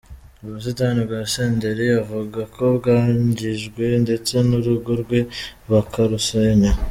Ubusitani bwa Senderi avuga ko bwangijwe ndetse n'urugo rwe bakarusenya.